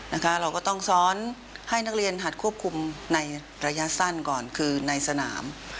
เราก็ต้องซ้อนให้นักเรียนหัดควบคุมในระยะสั้นก่อนคือในสนาม